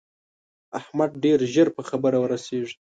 احمد ډېر ژر په خبره رسېږي.